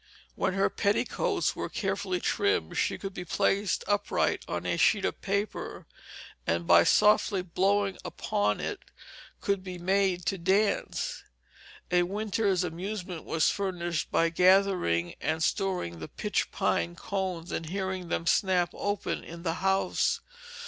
When her petticoats were carefully trimmed, she could be placed upright on a sheet of paper, and by softly blowing upon it could be made to dance. A winter's amusement was furnished by gathering and storing the pitch pine cones and hearing them snap open in the house.